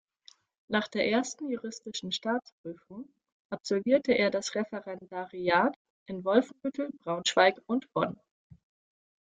Nach der Ersten Juristischen Staatsprüfung absolvierte er das Referendariat in Wolfenbüttel, Braunschweig und Bonn.